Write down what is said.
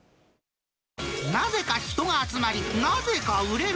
なぜか人が集まり、なぜか売れる。